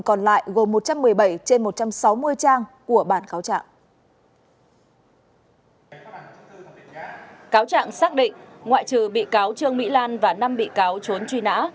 cáo trạng xác định ngoại trừ bị cáo trương mỹ lan và năm bị cáo trốn truy nã